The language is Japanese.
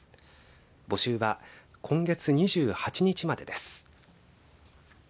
募集は今月２８日までです。